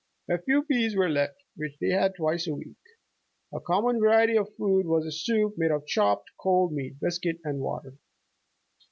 A few pease were left which they had twice a week. A common variety of food was a soup made of chopped cold meat, biscuit and water.